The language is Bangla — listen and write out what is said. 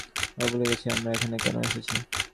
ও ভুলে গেছিলো, আমরা এখানে কেন এসেছি।